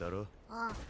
うん。